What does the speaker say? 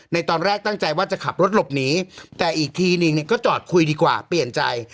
ในตอนแรกตั้งใจว่าจะขับรถหลบหนีแต่อีกทีนึงเนี่ยก็จอดคุยดีกว่าเปลี่ยนใจ